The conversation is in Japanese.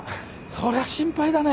そりゃ心配だね。